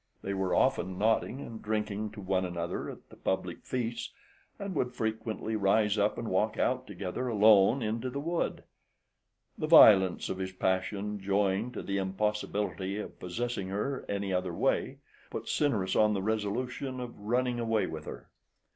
They were often nodding and drinking to one another at the public feasts, and would frequently rise up and walk out together alone into the wood. The violence of his passion, joined to the impossibility of possessing her any other way, put Cinyrus on the resolution of running away with her.